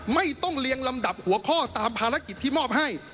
ไม่ต้องเรียงลำดับหัวข้อตามภารกิจที่มอบให้